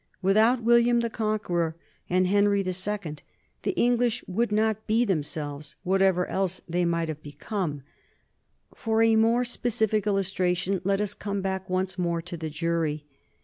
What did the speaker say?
Without William the Conqueror and Henry II the English would not be 'themselves,' whatever else they might have become. 146 NORMANS IN EUROPEAN HISTORY For a more specific illustration let us come back once more to the jury.